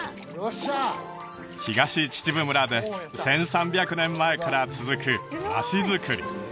東秩父村で１３００年前から続く和紙作り